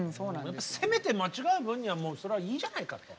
攻めて間違える分にはそれはいいじゃないかと。